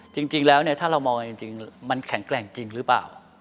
จริงแล้วถ้าเรามองจริงมันแข็งแกร่งจริงหรือเปล่า